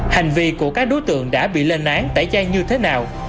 hành vi của các đối tượng đã bị lên án tẩy chay như thế nào